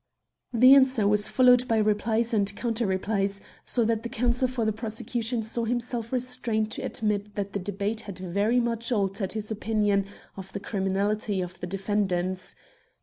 " This answer was followed by replies and counter replies, so that the counsel for the prosecution saw himself constrained to admit that the debate had very much altered his opinion of the criminality of the defendants.